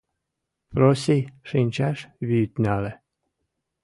Проси шинчаш вӱд нале.